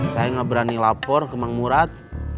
saya gak berani lapor ke mang murad